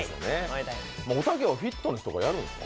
おたけはフィットネスとかやるんですか？